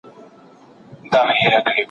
زه اوږده وخت کتابونه لولم وم